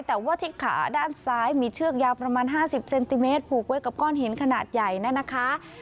แต่ว่าที่ขาด้านซ้ายมีเชือกยาวประมาณ๕๐เซนติเมตรผูกไว้กับก้อนหินขนาดใหญ่นั่นนะคะ